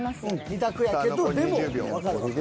２択やけどでもわかるわかる。